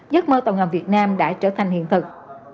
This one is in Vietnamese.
giấc mơ tàu hầm việt nam đã trở thành hiện thực